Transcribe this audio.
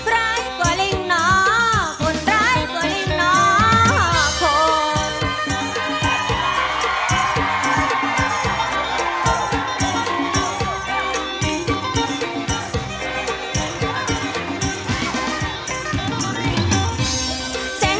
ร้ายกว่าเล็งน้ออ่นร้ายกว่าเล็งน้อของ